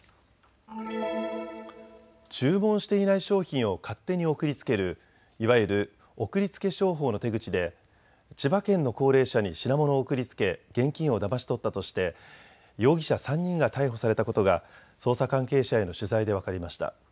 注文していない商品を勝手に送りつけるいわゆる、送りつけ商法の手口で千葉県の高齢者に品物を送りつけ現金をだまし取ったとして容疑者３人が逮捕されたことが捜査関係者への取材で分かりました。